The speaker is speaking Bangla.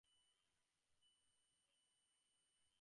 প্রভু নিজ সন্তানগণের ভার গ্রহণ করিয়া থাকেন।